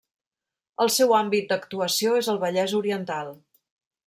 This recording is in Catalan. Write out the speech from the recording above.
El seu àmbit d'actuació és el Vallès Oriental.